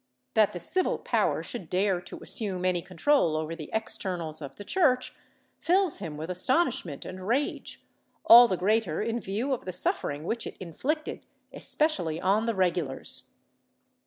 That the civil power should dare to assume any control over the externals of the Church fills him with astonishment and rage, all the greater in view of the suffering which it inflicted, especially on the regulars.